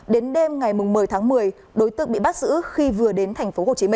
đến đêm ngày một mươi tháng một mươi đối tượng bị bắt giữ khi vừa đến tp hcm